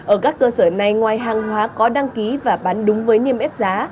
ở các cơ sở này ngoài hàng hóa có đăng ký và bán đúng với niêm yết giá